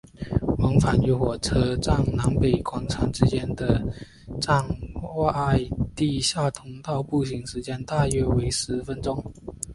往返于火车站南北广场之间的站外地下通道步行时间大约为十分钟。